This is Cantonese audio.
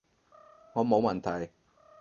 我冇問題